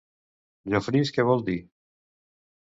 Llofris què vol dir?